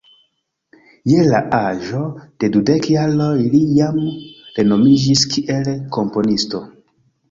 Je la aĝo de dudek jaroj li jam renomiĝis kiel komponisto.